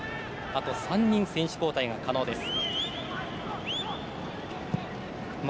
あと３人、選手交代が可能です。